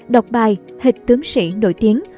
đọc bài hịch tướng sĩ nổi tiếng